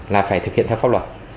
là phải thực hiện theo pháp luật